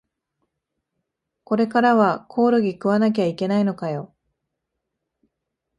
これからはコオロギ食わなきゃいけないのかよ